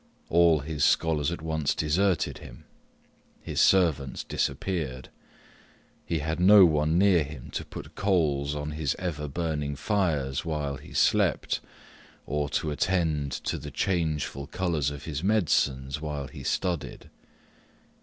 All his scholars at once deserted him his servants disappeared. He had no one near him to put coals on his ever burning fires while he slept, or to attend to the changeful colours of his medicines while he studied.